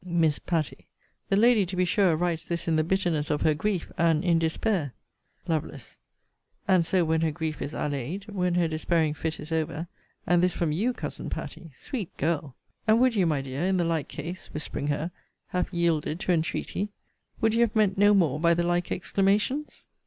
Miss Patty. The lady, to be sure, writes this in the bitterness of her grief, and in despair. Lovel. And so when her grief is allayed; when her despairing fit is over and this from you, Cousin Patty! Sweet girl! And would you, my dear, in the like case [whispering her] have yielded to entreaty would you have meant no more by the like exclamations?